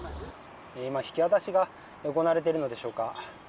引き渡しが行われているのでしょうか。